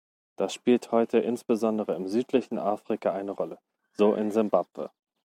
Dies spielt heute insbesondere im südlichen Afrika eine Rolle, so in Simbabwe.